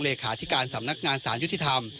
เลขาธิการสำนักงานสารยุติธรรม